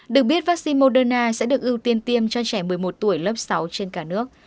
được biết vaccine moderna sẽ được ưu tiên tiêm cho trẻ một mươi một tuổi lớp sáu trên cả nước